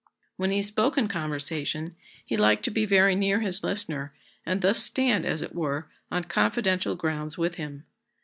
When he spoke in conversation, he liked to be very near his listener, and thus stand, as it were, on confidential grounds with him.